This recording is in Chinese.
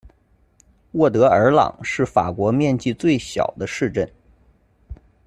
沃德尔朗是法国面积最小的市镇。